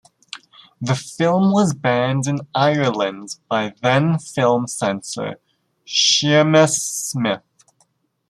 The film was banned in Ireland by then film censor Sheamus Smith.